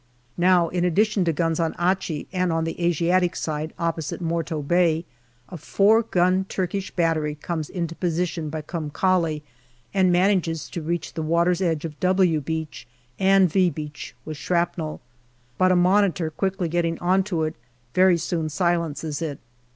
Now, in addition to guns on Achi and on the Asiatic side opposite Morto Bay, a four gun Turkish battery comes into position by Kum Kale and manages to reach the water's edge 'of " W " Beach and " V " Beach with shrapnel, but a Monitor, quickly getting on to it, very soon silences it.